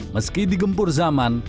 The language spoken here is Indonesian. meski digempur zaman